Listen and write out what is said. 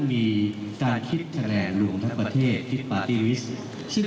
มีการคิดแสดงทางลุงทัพประเทศคิดปาร์ตี้วิส